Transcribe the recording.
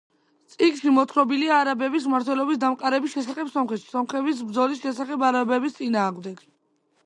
წიგნში მოთხრობილია არაბების მართველობის დამყარების შესახებ სომხეთში, სომხების ბრძოლის შესახებ არაბების წინააღმდეგ.